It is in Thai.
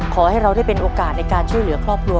ขอให้เราได้เป็นโอกาสในการช่วยเหลือครอบครัว